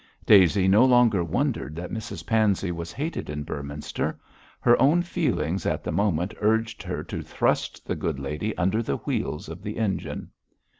Daisy no longer wondered that Mrs Pansey was hated in Beorminster; her own feelings at the moment urged her to thrust the good lady under the wheels of the engine.